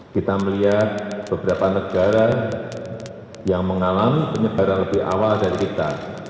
kita melihat beberapa negara yang mengalami penyebaran lebih awal dari kita